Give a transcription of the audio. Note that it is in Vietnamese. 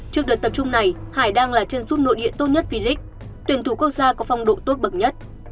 trước đợt tập trung này hải đang là chân rút nội địa tốt nhất v leage tuyển thủ quốc gia có phong độ tốt bậc nhất